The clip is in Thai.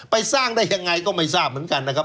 ไปสร้างได้ยังไงก็ไม่ทราบเหมือนกันนะครับ